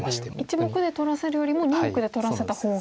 １目で取らせるよりも２目で取らせた方が。